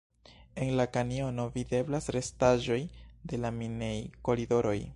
En la kanjono videblas restaĵoj de la minej-koridoroj.